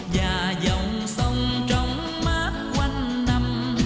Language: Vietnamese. và dòng sông trong mát quanh năm